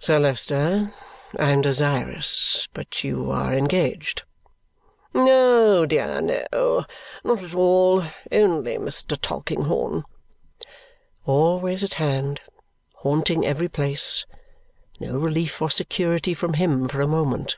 "Sir Leicester, I am desirous but you are engaged." Oh, dear no! Not at all. Only Mr. Tulkinghorn. Always at hand. Haunting every place. No relief or security from him for a moment.